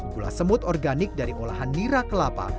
gula semut organik dari olahan nira kelapa